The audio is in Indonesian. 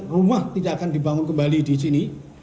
rumah tidak akan dibangun kembali disini